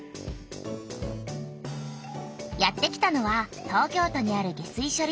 やってきたのは東京都にある下水しょ